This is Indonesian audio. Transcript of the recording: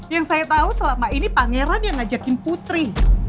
yang saya tahu selama ini pangeran yang ngajakin putri